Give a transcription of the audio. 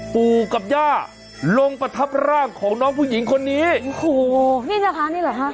ปู่กับย่าลงประทับร่างของน้องผู้หญิงคนนี้โอ้โหนี่นะคะนี่เหรอฮะ